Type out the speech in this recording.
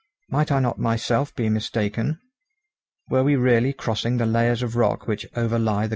Might I not myself be mistaken? Were we really crossing the layers of rock which overlie the granite foundation?